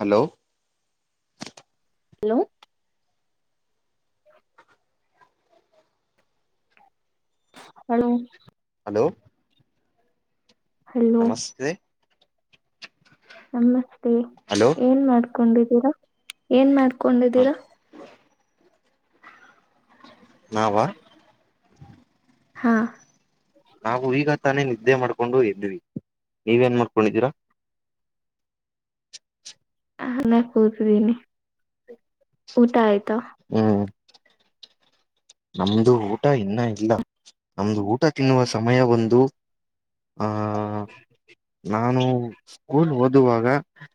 Hello hello [unintelligible] hello hello hello ನಮಸ್ತೆ ನಮಸ್ತೆ hello ಏನ್ ಮಾಡ್ಕೊಂಡಿದ್ದೀರಾ ಏನ್ ಮಾಡ್ಕೊಂಡಿದ್ದೀರಾ ನವ ಹಾ ನಾವು ಈಗ ತಾನೇ ನಿದ್ದೆ ಮಾಡ್ಕೊಂಡು ಎದ್ವಿ ನೀವ ಏನ್ ಮಾಡ್ಕೊಂಡಿದ್ದೀರಾ ನ ಕೂತಿದ್ದೀನಿ ಊಟ ಆಯ್ತಾ ಹ್ಮ್ ನಮ್ದು ಊಟ ಇನ್ನ ಇಲ್ಲ ನಮ್ದು ಊಟ ತಿನ್ನುವ ಸಮಯ ಒಂದು ಆ ನಾನು ಸ್ಕೂಲ್ ಓದುವಾಗ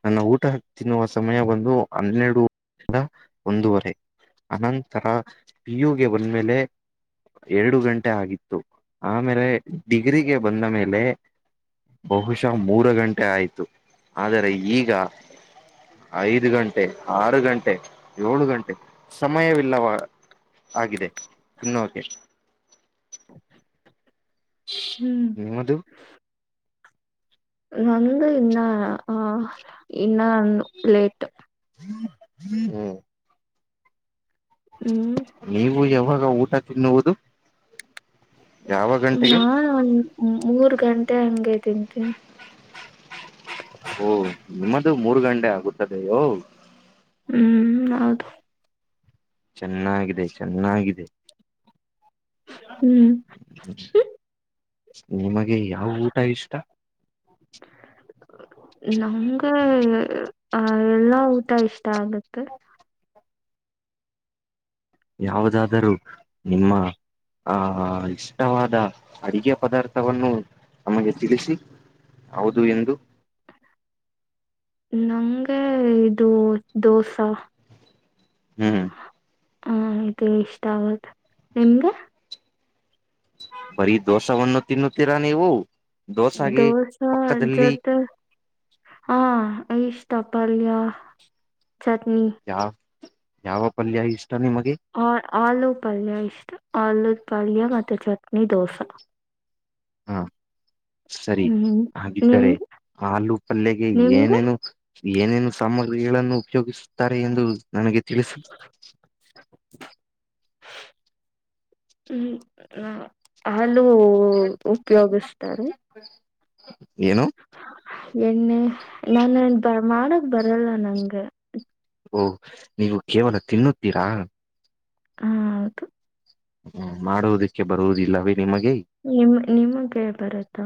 ನನ್ನ ಊಟ ತಿನ್ನುವ ಸಮಯ ಬಂದು ಹನ್ನೆರಡು ಒಂದೂವರೆ ಅನಂತರ ಪಿಯುಗೆ ಬಂದಮೇಲೆ ಎರಡು ಗಂಟೆ ಆಗಿತ್ತು ಆಮೇಲೆ ಡಿಗ್ರಿಗೆ ಬಂದ ಮೇಲೆ ಬಹುಶಃ ಮೂರು ಗಂಟೆ ಆಯ್ತು ಆದರೆ ಈಗ ಐದು ಗಂಟೆ ಆರು ಗಂಟೆ ಏಳು ಗಂಟೆ ಸಮಯವಿಲ್ಲವಾ ಆಗಿದೆ ತಿನ್ನುಕೆ ಹ್ಮ್ ನಿಮ್ಮದು ನಂದು ಇನ್ನ ಇನ್ನ ಲೇಟ್ ಹ್ಮ್ ಹ್ಞೂ ನೀವು ಯಾವಾಗ ಊಟ ತಿನ್ನುವುದು ಯಾವ ಗಂಟೆಗೆ ನಾು ಒಂದ ಮೂರ್ ಗಂಟೆ ಹಂಗಗೆ ತಿಂತನೆ ಓಹ ನಿಮ್ಮದು ಮೂರು ಗಂಟೆ ಆಗುತ್ತದೆಯೋ ಹ್ಮ್ ಹೌದು ಚೆನ್ನಾಗಿದೆ ಚೆನ್ನಾಗಿದೆ ಹ್ಮ್ ನಿಮಗೆ ಯಾವ ಊಟ ಇಷ್ಟ [inaudible] ನಮ್ಗೆ ಎಲ್ಲಾ ಊಟ ಇಷ್ಟ ಆಗತ್ತೆ ಯಾವುದಾದರೂ ನಿಮ್ಮ ಆಹ ಇಷ್ಟವಾದ ಅಡಿಗೆ ಪದಾರ್ಥವನ್ನು ನಮಗೆ ತಿಳಿಸಿ ಹೌದು ಎಂದು ನಂಗೆ ಇದು ದೋಸಾ ಹ್ಮ್ ಹ ಆಯ್ತು ಇಷ್ಟ ಆಗದು ನಿಮ್ಗೆ ಬರೀ ದೋಷವನ್ನು ತಿನ್ನುತ್ತೀರಾ ನೀವು ದೋಸಾಗೆ ದೋಸ ಪಕ್ಕದಲ್ಲಿ ಜೊತೆ ಹಾ ಇಷ್ಟ ಪಲ್ಯ ಚಟ್ನಿ ಯಾವ ಯಾವ ಪಲ್ಯ ಇಷ್ಟಾನ ನಿಮಗೆ ಆ ಆಲೂ ಪಲ್ಯ ಇಷ್ಟ ಆಲೂ ಪಲ್ಯ ಮತ್ತೆ ಚಟ್ನಿ ದೋಸೆ ಹಾ ಸರಿ ಹ್ಮ್ ನಿಮ್ ಹಾಗಿದ್ದರೆ ಹಲೂ ಪಲ್ಗೆ ನಿಮ್ಗೆ ಏನೇನು ಏನೇನು ಸಾಮಗ್ರಿಗಳನ್ನು ಉಪಯೋಗಿಸುತ್ತಾರೆ ಎಂದು ನನಗೆ ತಿಳಿಸ [unintelligible] ಹ್ಮ ಆಲೂ ಏನು ಎಣ್ಣೆ ನಾನು ಬ ಮಾಡಕ್ ಬರಲ್ಲ ನಂಗೆ ಓಹ ನೀವು ಕೇವಲ ತಿನ್ನುತ್ತೀರಾ ಹೌದು ಹ್ಮ ಮಾಡುವುದಿಕ್ಕೆ ಬರುವುದಿಲ್ಲವೇ ನಿಮಗೆ ನಿಮ ನಿಮಗ್ಗೆ ಬರುತ್ತಾ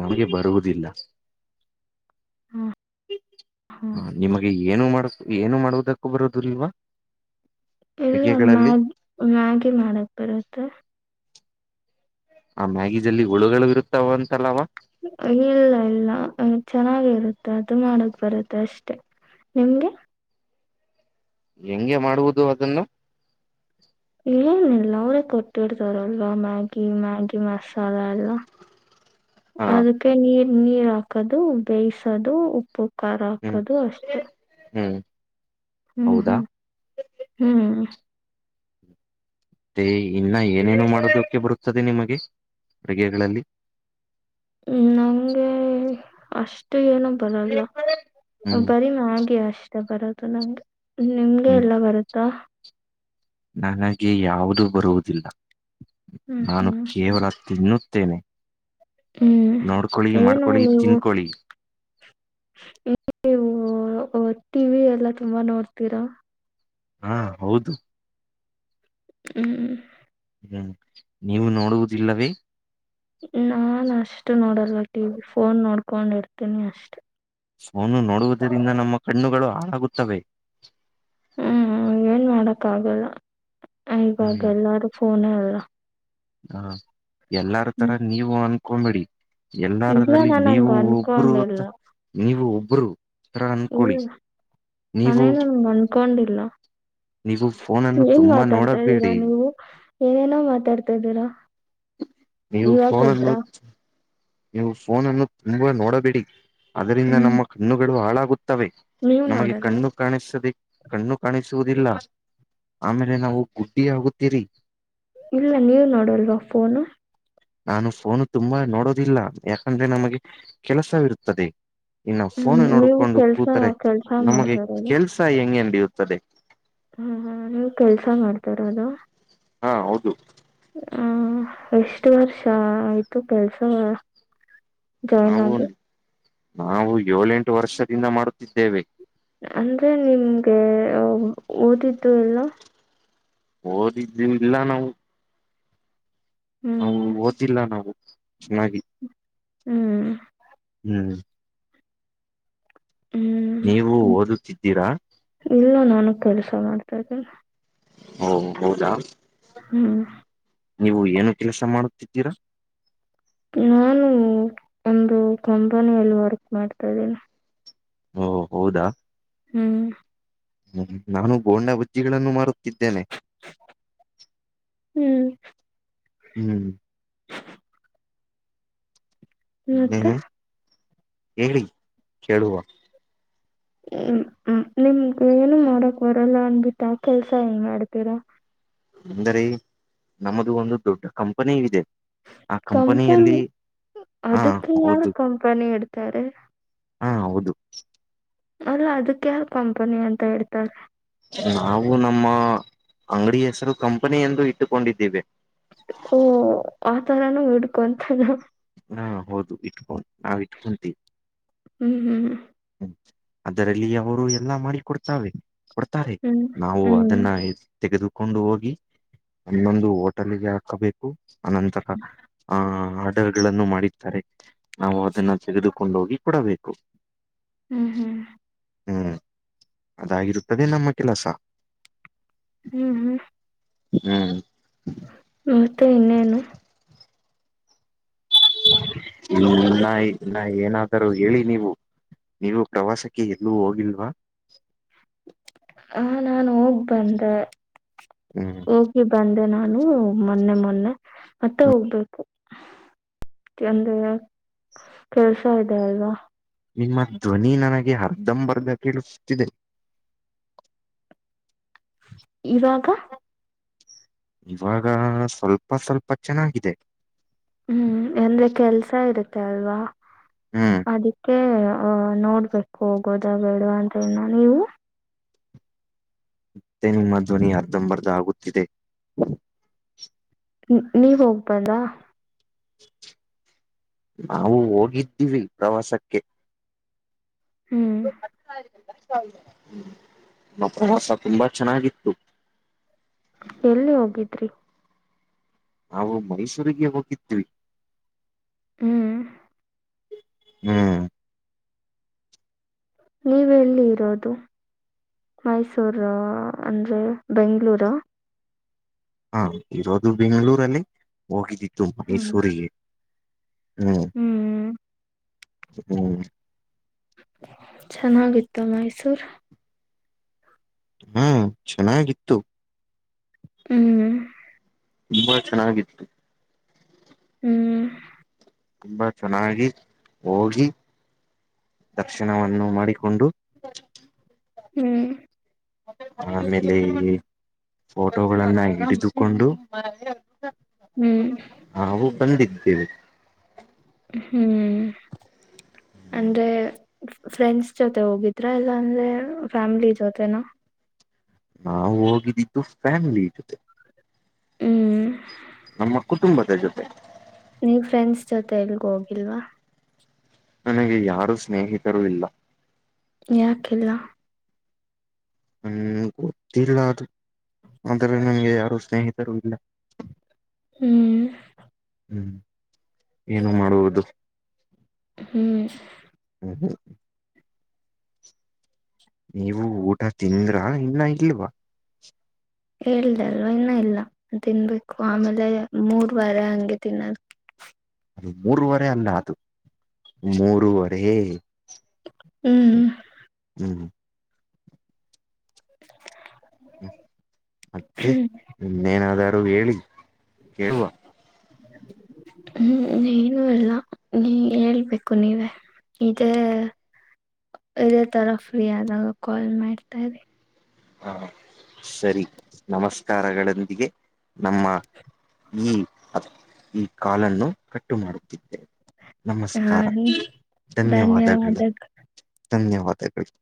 ನಮಗೆ ಬರುವುದಿಲ್ಲ ಹ ಹಾ ನಿಮಗೆ ಏನು ಮಾಡ ಏನು ಮಾಡುವುದಕ್ಕೂ ಬರೋದು ಇಲ್ವಾ ಎಲ್ಲ ಮ್ಯಾಗ ಮ್ಯಾಗಿ ಮಾಡಕ್ ಬರುತ್ತೆ ಆ ಮ್ಯಾಗಿದಲ್ಲಿ ಹುಳುಗಳು ಇರುತ್ತಾವ ಅಂತಲ್ಲವಾ ಇಲ್ಲ ಇಲ್ಲ ಚೆನ್ನಾಗಿರುತ್ತೆ ಅದು ಮಾಡಕ್ ಬರುತ್ತೆ ಅಷ್ಟೆ ನಿಮಗೆ ಹೆಂಗೆ ಮಾಡುವುದು ಅದನ್ನು ಏನಿಲ್ಲ ಅವ್ರೇ ಕೊಟ್ಟಿಡ್ತಾರಲ್ ಮ್ಯಾಗಿ ಮ್ಯಾಗಿ ಮಸಾಲ ಎಲ್ಲ ಹ ಅದಕ್ಕೆ ನೀರ್ ನೀರ್ ಹಾಕದು ಬೇಯಿಸದು ಉಪ್ಪು ಖಾರ ಹ್ಮ್ ಹಾಕೋದು ಅಷ್ಟೇ ಹ್ಮ್ ಹ್ಮ್ ಹೌದಾ ಹ್ಮ್ ಹ್ಮ್ ಮತ್ತೆ ಇನ್ನ ಏನೇನು ಮಾಡೋದಕ್ಕೆ ಬರುತ್ತದೆ ನಿಮಗೆ ಅಡುಗೆಗಳಲ್ಲಿ ಹ್ಮ ನಂಗೆ ಅಷ್ಟು ಏನ ಬರಲ್ಲ ಹ್ಮ್ ಬರಿ ಹಾಗೆ ಅಷ್ಟೇ ಬರುದು ನಂಗೆ ನಿಮ್ಗೆ ಹ್ಮ್ ಎಲ್ಲ ಬರುತ್ತಾ ನನಗೆ ಯಾವುದು ಬರುವುದಿಲ್ಲ ಹ್ಮ್ ನಾನು ಹ್ಮ್ ಕೇವಲ ತಿನ್ನುತ್ತೇನೆ ಹ್ಮ್ ನೋಡ್ಕೊಳ್ಳಿ ಏನು ಮಾಡ್ಕೊಳ್ಳಿ ತಿನ್ಕೊಳ್ಳಿ ಟಿ ವಿ ಎಲ್ಲ ತುಂಬಾ ನೋಡ್ತೀರಾ ಹಾ ಹೌದು ಹ್ಞ ಹ್ಮ್ ನೀವು ನೋಡುವುದಿಲ್ಲವೇ ನಾನ್ ಅಷ್ಟು ನೋಡಲ್ಲ ಟಿ ವಿ ಫೋನ್ ನೋಡ್ಕೊಂಡ್ ಇಡ್ತೀನಿ ಅಷ್ಟೆ ಸೋನು ನೋಡುವುದರಿಂದ ನಮ್ಮ ಕಣ್ಣುಗಳು ಹಾಳಾಗುತ್ತವೆ ಹ್ಮ್ ಏನ್ ಮಾಡಕ್ ಆಗಲ್ಲ ಇವಾಗ ಹ್ಮ್ ಎಲ್ಲಾರೂ ಫೋನೇ ಅಲ್ಲ ಹ ಎಲ್ಲಾರ ತರ ಹ್ಮ್ ನೀವು ಅನ್ಕೊಂಬೇಡಿ ಇಲ್ಲ ಎಲ್ಲಾರರಲ್ಲಿ ನಾನ್ ಹಂಗ ನೀವು ಒಬ್ಬರು ಅನ್ಕೊಂಡಿಲ್ಲ ಅ ನೀವು ಒಬ್ಬರು ಇಲ್ಲ ನೀವು ನಾನೇನು ಅನ್ಕೊಂಡಿಲ್ಲ ನೀವು ಫೋನನ್ನು ಏನ್ ತುಂಬಾ ಮಾತಾಡ್ತಾ ಇದ್ದೀರಾ ನೋಡಬೇಡಿ ನೀವು ಏನೇನೋ ಮಾತಾಡ್ತಾ ಇದ್ದೀರಾ ನೀವು ಇವಾಗದ್ರ ಫೋನನ್ನು ನೀವು ಫೋನ್ ಅನ್ನು ತುಂಬಾ ನೋಡಬೇಡಿ ಅದರಿಂದ ಹ್ಮ್ ನಮ್ಮ ಕಣ್ಣುಗಳು ಹಾಳಾಗುತ್ತವೆ ನೀವ್ ನಮಗೆ ನೋಡಲ್ವಾ ಕಣ್ಣು ಕಾಣಿಸದೆ ಕಣ್ಣು ಕಾಣಿಸುವುದಿಲ್ಲ ಆಮೇಲೆ ನಾವು ಗುಡ್ಡಿ ಆಗುತ್ತೀರಿ ಇಲ್ಲ ನೀವ ನೋಡಲ್ವ ಫೋನು ನಾನು ಫೋನು ತುಂಬಾ ನೋಡೋದಿಲ್ಲ ಯಾಕಂದ್ರೆ ನಮಗೆ ಕೆಲಸವಿರುತ್ತದೆ ಇನ್ನು ಹ್ಮ್ ಫೋನ್ ನೀವು ನೋಡ್ಕೊಂಡು ಕೆಲ್ಸ ಕೂತರೆ ಕೆಲ್ಸ ನಮಗೆ ಮಾಡ್ತಾರದು ಕೆಲ್ಸ ಹೆಂಗೇನ್ ಬಿಡಿಯುತ್ತದೆ ಹ್ಮ್ ಹ್ಮ ನೀವು ಕೆಲ್ಸ ಮಾಡ್ತಾರ ಅದು ಹಾ ಹೌದು ಹ ಎಷ್ಟ ವರ್ಷ ಆಯ್ತು ಕೆಲ್ಸ ಜಾಯಿನ್ ನಾವು ಆಗಿ ನಾವು ಏಳೆಂಟು ವರ್ಷದಿಂದ ಮಾಡುತ್ತಿದ್ದೇವೆ ಅಂದ್ರೆ ನಿಮ್ಗೆ ಓದಿದ್ದು ಎಲ್ಲ ಓದಿದ್ದ ಇಲ್ಲ ನಾವು ನಾವು ಹ್ಮ್ ಓದಿಲ್ಲ ನಾವು ಚೆನ್ನಾಗಿ ಹ್ಮ್ ಹ್ಮ್ ಹ್ಮ್ ನೀವು ಓದುತ್ತಿದ್ದೀರಾ ಇಲ್ಲ ನಾನು ಕೆಲಸ ಮಾಡ್ತಾ ಇದ್ದೀನಿ ಹ ಹೌದ ಹ್ಮ್ ನೀವು ಏನು ಕೆಲಸ ಮಾಡುತ್ತಿದ್ದೀರಾ ನಾನು ಒಂದು ಕಂಪನಿಯಲ್ಲಿ ವರ್ಕ್ ಮಾಡ್ತಾ ಇದ್ದೀನಿ ಓ ಹೌದಾ ಹ್ಮ್ ಹ್ಮ ನಾನು ಬೋಂಡಾ ಬಜ್ಜಿಗಳನ್ನು ಮಾರುತ್ತಿದ್ದೇನೆ ಹ್ಮ್ ಹ್ಮ್ ಮತ್ತೆ ನನು ಕೆಡಿ ಕೆಡುವ ಹ್ಮ್ಮ ನಿಮ್ಗ ಏನು ಮಾಡಕ್ ಬರಲ್ಲ ಅನ್ಬಿಟ್ಟ ಕೆಲ್ಸ ಏಂಗ ಮಾಡ್ತೀರಾ ಅಂದರಿ ನಮ್ಮದು ಒಂದು ದೊಡ್ಡ ಕಂಪನಿ ಇದೆ ಆ ಕಂಪನಿಯಲ್ಲಿ ಕಂಪನಿ ಹಾ ಅದಕ್ಕೆ ಯಾರು ಹೌದು ಕಂಪನಿ ಇಡ್ತಾರೆ ಹಾ ಹೌದು ಅಲ್ಲ ಅದಕ್ಕೆ ಯಾವ ಕಂಪನಿ ಅಂತ ಹೇಳ್ತಾರೆ ನಾವು ನಮ್ಮ ಅಂಗಡಿ ಹೆಸರು ಕಂಪನಿ ಎಂದು ಇಟ್ಟುಕೊಂಡಿದ್ದೀವೆ ಓ ಆತರಾನೂ ಹಿಡ್ಕೊಂತಾನ ಹಾ ಹೌದು ಇಟ್ಕೊಂಡು ನಾವ್ ಇಟ್ಕೊಂತೀವಿ ಹ್ಮ್ ಹ್ಮ್್ಮ ಹ್ಮ್ ಅದರಲ್ಲಿ ಅವರು ಎಲ್ಲಾ ಮಾಡ ಕೊಡ್ತಾರೆೆ ಕೊಡ್ತಾರೆ ಹ್ಮ್ ನಾವು ಹ್ಮ್ ಅದನ್ನ ತೆಗೆದುಕೊಂಡು ಹೋಗಿ ಒಂದೊಂದು ಹೋಟೆಲ್ಗೆ ಹಾಕಬೇಕು ಅನಂತರ ಆಹ ಆಡಗಳನ್ನು ಮಾಡಿದ್ದಾರೆ ನಾವು ಅದನ್ನ ತೆಗೆದುಕ ಕೊಂಡೋಗಿ ಕೂಡಬೇಕು ಹ್ಮ್ ಹ್ಮ್ ಹ್ಮ್ ಅದಾಗಿರುತ್ತದೆ ನಮ್ಮ ಕೆಲಸ ಹ್ಮ್ ಹ್ಮ್ ಹ್ಮ್ ಮತ್ತೆ ಇನ್ನೇನು ಇನ್ನ ನ ಏನಾದರೂ ಹೇಳಿ ನೀವು ನೀವು ಪ್ರವಾಸಕ್ಕೆ ಎಲ್ಲೂ ಹೋಗಿಲ್ವಾ ಅವನನ್ನು ಹೋಗ್ ಬಂದ ಹ್ಮ್ ಹೋಗಿ ಬಂದೆ ನಾನು ಮೊನ್ನೆ ಮೊನ್ನೆ ಮತ್ತೆ ಹೋಗ್ಬೇಕು ಎಂದ್ರ ಕೆಲ್ಸ ಇದೆ ಅಲ್ವಾ ನಿಮ್ಮ ಧ್ವನಿ ನನಗೆ ಅರ್ಧಂಬರ್ಧ ಕೇಳುತ್ತಿದೆ ಇವಾಗ ಇವಾಗ ಸ್ವಲ್ಪ ಸ್ವಲ್ಪ ಚೆನ್ನಾಗಿದೆ ಹ್ಮ್ ಎಂದ್ರೆ ಕೆಲ್ಸ ಇರುತ್ತೆ ಅಲ್ವಾ ಹ್ಮ್ ಅದಕ್ಕೆ ಅಹ ನೋಡ್ಬೇಕು ಹೋಗೋದ ಬೇಡ ಅಂತ ಹೇಳನ ನೀವು ಮತ್ತೆ ನಿಮ್ಮ ಧ್ವನಿ ಅರ್ಧಂಬರ್ಧ ಆಗುತ್ತಿದೆ ನೀವ್ ಹೋಗ್ಬಂದ್ರಾ ನಾವು ಹೋಗಿದ್ದೀವಿ ಪ್ರವಾಸಕ್ಕೆ ಹ್ಞೂ ನಮ್ಮ ಪ್ರವಾಸ ತುಂಬಾ ಚೆನ್ನಾಗಿತ್ತು ಎಲ್ಲಿ ಹೋಗಿದ್ರಿ ನಾವು ಮೈಸೂರಿಗೆ ಹೋಗಿದ್ವಿ ಹ್ಮ್ ಹ್ಮ ನೀವೆ ಎಲ್ಲಿ ಇರೋದು ಮೈಸೂರು ಅಂದ್ರೆ ಬೆಂಗಳೂರು ಹಾ ಇರೋದು ಬೆಂಗಳೂರಲ್ಲಿ ಹೋಗಿದ್ದಿತ್ತು ಹ್ಮ್ ಮೈಸೂರಿಗೆ ಹ್ಮ್ ಹ್ಮ್ ಹ್ಮ್ ಚೆನ್ನಾಗಿತ್ತು ಮೈಸೂರ್ ಹಾ ಚೆನ್ನಾಗಿತ್ತು ಹ್ಮ್ ತುಂಬಾ ಚೆನ್ನಾಗಿತ್ತು ಹ್ಮ್ ತುಂಬಾ ಚೆನ್ನಾಗಿ ಹೋಗಿ ದರ್ಶನವನ್ನು ಮಾಡಿಕೊಂಡು ಹ್ಮ್ ಆಮೇಲೆ ಫೋಟೋಗಳನ್ನ ಹಿಡಿದುಕೊಂಡು ಹ್ಮ್ ನಾವು ಬಂದಿದ್ದೇವೆ ಹ್ಮ್ ಅಂದ್ರೆ ಫ್ರೆಂಡ್ಸ್ ಜೊತೆ ಹೋಗಿದ್ರ ಇಲ್ಲಾ ಅಂದ್ರೆ ಫ್ಯಾಮಿಲಿ ಜೊತೆನ ನಾವು ಹೋಗಿದ್ದಿದ್ದು ಫ್ಯಾಮಿಲಿ ಜೊತೆ ಹ್ಮಞ ನಮ್ಮ ಕುಟುಂಬದ ಜೊತೆ ನೀವ್ ಫ್ರೆಂಡ್ಸ್ ಜೊತೆ ಎಲ್ಗ ಹೋಗಿಲ್ವಾ ನನಗೆ ಯಾರು ಸ್ನೇಹಿತರು ಇಲ್ಲ ಯಕಲ್ಲ ಹ್ಮ್ ಗತ್ತಿಲ್ಲ. ಅದು ಆದ್ರ ನಮ್ಗೆ ಯಾರು ಸ್ನೇಹಿತರು ಇಲ್ಲ ಹ್ಮ್ ಹ್ಮ್ ಏನು ಮಾಡುವುದು ಹ್ಮ್ ಹ್ಮ ಹಾ ನೀವು ಊಟ ತಿಂದ್ರ ಇನ್ನ ಇಲ್ವಾ ಹೇಳ್ದ ಅಲ್ವ ಇನ್ನೂ ಇಲ್ಲ ತಿನ್ಬೇಕು ಆಮೇಲೆ ಮೂರ್ವಾರ ಹಂಗೆ ತಿನ್ನದ ಅದು ಮೂರುವರೆ ಅಲ್ಲ ಅದು ಮೂರುವರೆ ಹ್ಮ್ ಹ್ಮ್ ಹ್ಮ್ [inaudible] ಹ್ಮ ಮತ್ತೆ ಇನ್ನೇನಾದಾರೂ ಹೇಳಿ ಕೇಳುವ ಹ್ಮ್ ಏನು ಇಲ್ಲ ನೀ ಹೇಳ್ಬೇಕು ನೀವೇ ಇದೇ ಇದೇ ತರ ಫ್ರೀ ಆದಾಗ ಕಾಲ್ ಮಾಡ್ತಾ ಇದೆ ಹಾ ಸರಿ ನಮಸ್ಕಾರಗಳೊಂದಿಗೆ ನಮ್ಮ ಈ ಅ ಈ ಕಾಲನ್ನು ಕಟ್ಟು ಮಾಡುತ್ತಿದ್ದೇವೆ ಹ ನಮಸ್ಕಾರ ಧನ್ಯವಾದಗಳು ಧನ್ಯವಾದ ಧನ್ಯವಾದಗಳು